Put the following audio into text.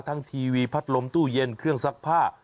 ทีวีพัดลมตู้เย็นเครื่องซักผ้า